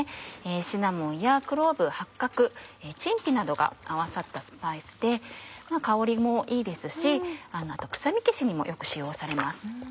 シナモンやクローブ八角陳皮などが合わさったスパイスで香りもいいですし臭み消しにもよく使用されます。